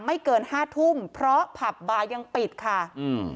เกินห้าทุ่มเพราะผับบาร์ยังปิดค่ะอืม